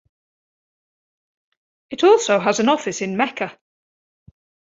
It also has an office in Mecca.